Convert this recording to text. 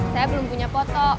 saya belum punya foto